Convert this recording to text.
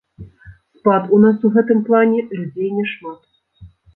Спад у нас у гэтым плане, людзей няшмат.